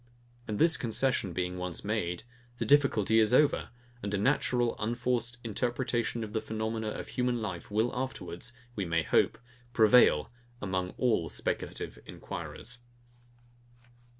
And this concession being once made, the difficulty is over; and a natural unforced interpretation of the phenomena of human life will afterwards, we may hope, prevail among all speculative enquirers.